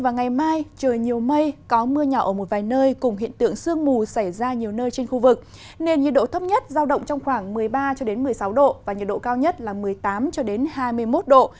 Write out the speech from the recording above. nền nhiệt độ thấp nhất giao động trong khoảng một mươi ba một mươi sáu độ và nhiệt độ cao nhất là một mươi tám hai mươi một độ